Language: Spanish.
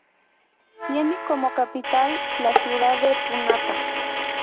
Tiene como capital la Ciudad de Punata.